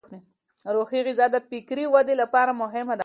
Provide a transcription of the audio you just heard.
روحي غذا د فکري ودې لپاره مهمه ده.